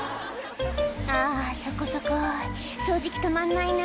「あそこそこ掃除機たまんないな」